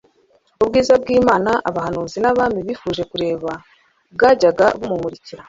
Ubwiza ¬bw'Imana, abahanuzi n'abami bifuje kureba bwajyaga bumurikira